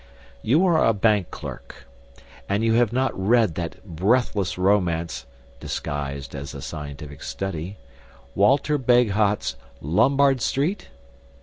You are a bank clerk, and you have not read that breathless romance (disguised as a scientific study), Walter Bagehot's "Lombard Street"?